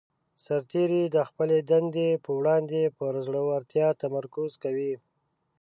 سرتیری د خپلې دندې په وړاندې پر زړه ورتیا تمرکز کوي.